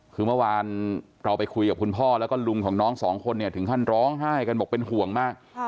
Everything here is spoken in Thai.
คือเมื่อวานเราไปคุยกับคุณพ่อแล้วก็ลุงของน้องสองคนเนี่ยถึงขั้นร้องไห้กันบอกเป็นห่วงมาก